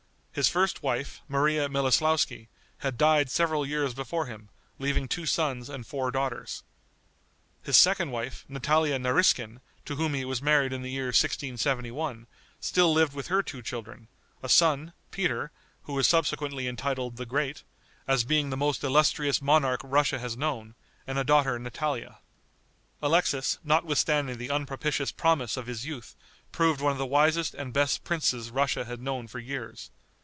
His first wife, Maria Miloslouski, had died several years before him, leaving two sons and four daughters. His second wife, Natalia Nariskin, to whom he was married in the year 1671, still lived with her two children, a son, Peter, who was subsequently entitled the Great, as being the most illustrious monarch Russia has known, and a daughter Natalia. Alexis, notwithstanding the unpropitious promise of his youth, proved one of the wisest and best princes Russia had known for years.